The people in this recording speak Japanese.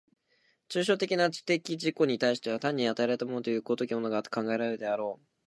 抽象的な知的自己に対しては単に与えられたものという如きものが考えられるであろう。